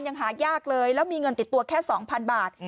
ยังหายากเลยแล้วมีเงินติดตัวแค่๒๐๐๐บาท